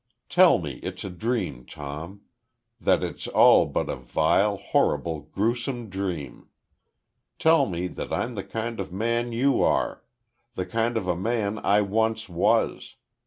Tell me it's a dream, Tom that it's all but a vile, horrible, grewsome dream! Tell me that I'm the kind of a man you are! the kind of a man I once was!